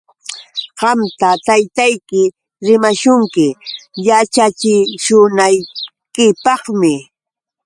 Qamta taytayki rimashunki yaćhachishunaykipaqmi.